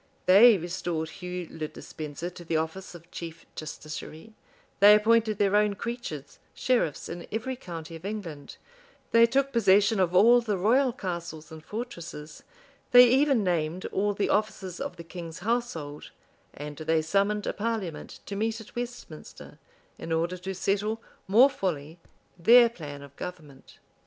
They restored Hugh le Despenser to the office of chief justiciary: they appointed their own creatures sheriffs in every county of England; they took possession of all the royal castles and fortresses; they even named all the officers of the king's household; and they summoned a parliament to meet at Westminster, in order to settle more fully their plan of government.